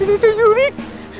ini tuh curik